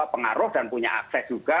pengaruh dan punya akses juga